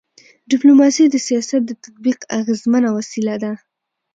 ډيپلوماسي د سیاست د تطبیق اغيزمنه وسیله ده.